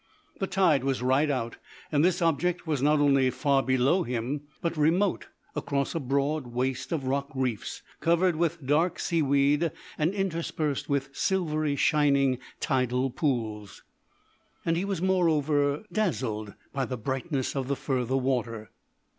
The tide was right out, and this object was not only far below him, but remote across a broad waste of rock reefs covered with dark seaweed and interspersed with silvery shining tidal pools. And he was, moreover, dazzled by the brightness of the further water.